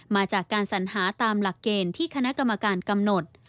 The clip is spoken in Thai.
มาจากการสัญหาตามหลักเกณฑ์ที่คณะกรรมการกำหนด